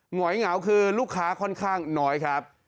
หอยเหงาคือลูกค้าค่อนข้างน้อยครับ